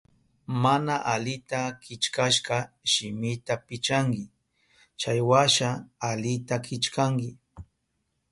Mana alita killkashka shimita pichanki, chaywasha alita killkanki.